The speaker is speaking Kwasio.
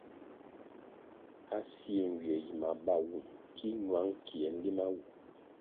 A sie nywie yi mabawum ki ñwang kie nlima wu.